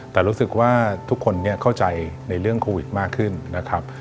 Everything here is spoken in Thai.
แต่รู้สึกว่าทุกคนเข้าใจในเรื่องโควิดมากขึ้นนะครับ